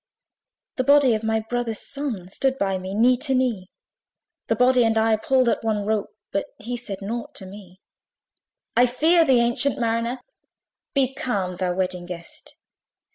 The body of my brother's son, Stood by me, knee to knee: The body and I pulled at one rope, But he said nought to me. "I fear thee, ancient Mariner!" Be calm, thou Wedding Guest!